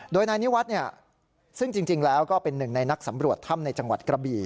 โดยนายนิวัฒน์ซึ่งจริงแล้วก็เป็นหนึ่งในนักสำรวจถ้ำในจังหวัดกระบี่